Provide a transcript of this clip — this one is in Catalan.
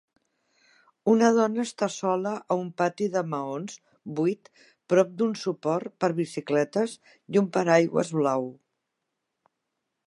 Una dona està sola a un pati de maons buid prop d'un suport per bicicletes i un paraigües blau